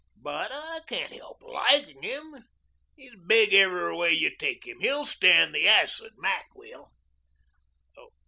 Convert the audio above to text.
But I can't help liking him. He's big every way you take him. He'll stand the acid, Mac will."